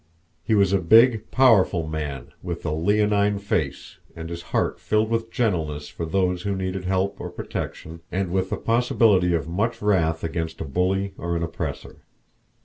He was a big, powerful man, with a leonine face, and his heart filled with gentleness for those who needed help or protection, and with the possibility of much wrath against a bully or an oppressor.